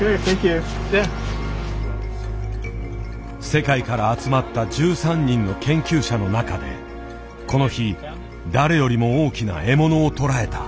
世界から集まった１３人の研究者の中でこの日誰よりも大きな獲物を捕らえた。